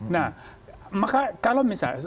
nah maka kalau misalnya